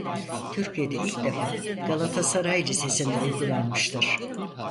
Türkiye'de ilk defa Galatasaray Lisesi'nde uygulanmıştır.